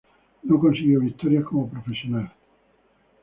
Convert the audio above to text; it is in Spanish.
No consiguió victorias como profesional.